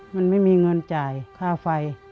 มันไม่มีเงินจ่ายค่าไฟ